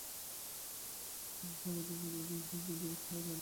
কাগজে দেখেছি মিটফোর্ড জিঞ্জিরায় কি পাওয়া যায় না?